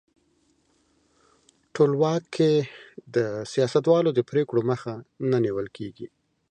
ټولواک کې د سیاستوالو د پرېکړو مخه نه نیول کیږي.